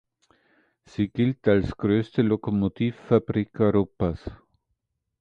Sie gilt als größte Lokomotivfabrik Europas.